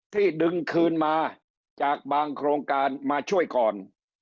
ที่ดึงคืนมาจากบางโครงการมาช่วยก่อน